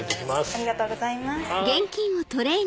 ありがとうございます。